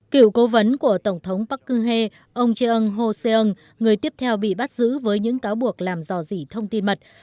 cựu cố vấn của tổng thống park geun hye ông cheung ho se ung người tiếp theo bị bắt giữ với những cáo buộc làm dò dỉ thông tin mật